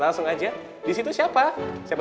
langsung aja disitu siapa